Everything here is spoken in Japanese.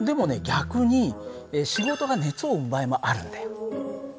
逆に仕事が熱を生む場合もあるんだよ。